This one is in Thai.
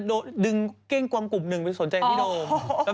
ดึงเก้งกว่างกลุ่มหนึ่งเป็นชื่อสนใจพี่โดม